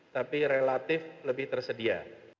tapi relatif lebih tersedia